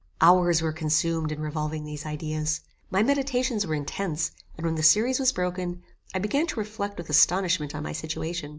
Hours were consumed in revolving these ideas. My meditations were intense; and, when the series was broken, I began to reflect with astonishment on my situation.